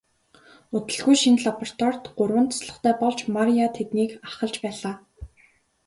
Удалгүй шинэ лабораторид гурван туслахтай болж Мария тэднийг ахалж байлаа.